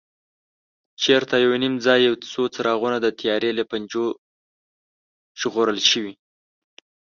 چېرته یو نیم ځای یو څو څراغونه د تیارې له پنجو ژغورل شوي.